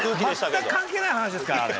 全く関係ない話ですからあれ。